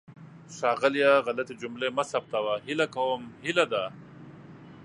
ښاغلیه! غلطې جملې مه ثبتوه. هیله کوم هیله ده.